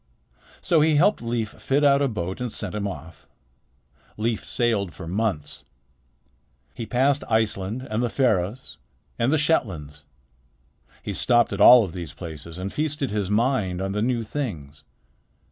So he helped Leif fit out a boat and sent him off. Leif sailed for months. He passed Iceland and the Faroes and the Shetlands. He stopped at all of these places and feasted his mind on the new things.